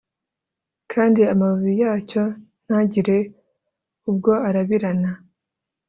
kandi amababi yacyo ntagire ubwo arabirana